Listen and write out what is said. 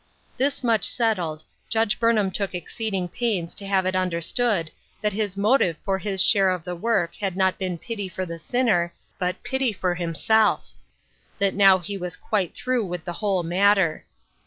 Thus much settled, Judge Burnham took exceeding pains to have it understood that his motive for his share of the work had not been pity for the sinner, but pity for himself ; that now he was quite through with the whole matter.